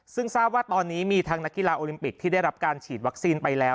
ซึ่งทราบว่าตอนนี้มีทั้งนักกีฬาโอลิมปิกที่ได้รับการฉีดวัคซีนไปแล้ว